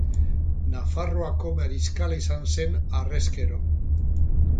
Nafarroako mariskala izan zen harrezkero.